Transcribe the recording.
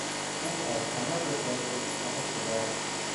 او از کمر به پایین فلج شده است.